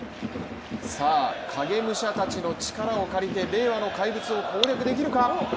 さあ、影武者たちの力を借りて令和の怪物を攻略できるか。